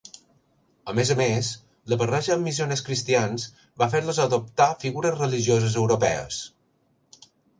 A més a més, la barreja amb missioners cristians va fer-los adoptar figures religioses europees.